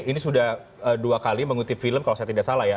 ini sudah dua kali mengutip film kalau saya tidak salah ya